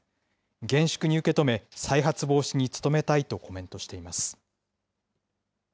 厳粛に受け止め、再発防止に努めたいとコメントしています。